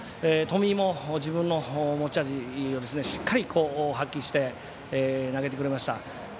冨井も自分の持ち味をしっかりと発揮して投げてくれました。